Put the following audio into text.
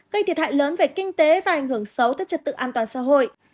gây thiệt hại lớn về kinh tế và ảnh hưởng xấu tới trật tự an toàn xã hội